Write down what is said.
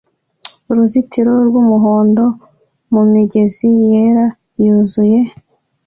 Uruzitiro rwumuhondo mumigezi yera yuzuye